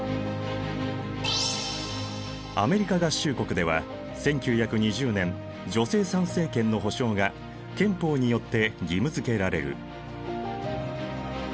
アメリカ合衆国では１９２０年女性参政権の保障が憲法によって義務づけられる。